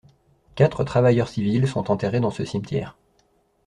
Quatre travailleurs civils sont enterrés dans ce cimetière.